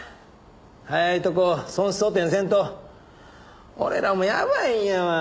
早いとこ損失補填せんと俺らもやばいんやわ。